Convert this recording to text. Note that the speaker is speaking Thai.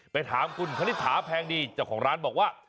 ไปถามคุณคณิตถาแพงดีเจ้าของร้านบอกว่า